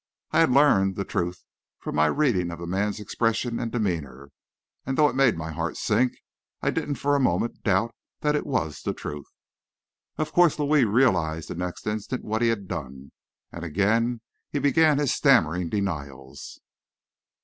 I had learned the truth from my reading of the man's expression and demeanor, and though it made my heart sink, I didn't for a moment doubt that it was the truth. Of course Louis realized the next instant what he had done, and again he began his stammering denials.